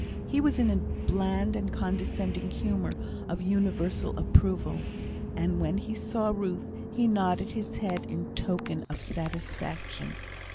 He was in a bland and condescending humour of universal approval, and when he saw Ruth, he nodded his head in token of satisfaction.